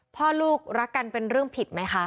พ่อลูกรักกันเป็นเรื่องผิดไหมคะ